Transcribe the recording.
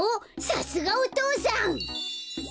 さすがお父さん！